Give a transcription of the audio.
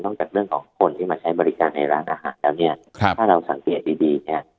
จากเรื่องของคนที่มาใช้บริการในร้านอาหารแล้วเนี่ยถ้าเราสังเกตดีดีเนี่ย